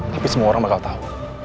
tapi semua orang bakal tahu